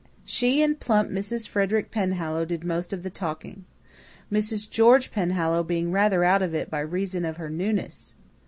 She and plump Mrs. Frederick Penhallow did most of the talking. Mrs. George Penhallow being rather out of it by reason of her newness.